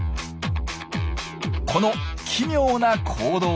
この奇妙な行動。